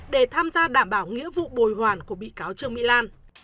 để tham gia đảm bảo nghĩa vụ bồi hoàn của bị cáo trương mỹ lan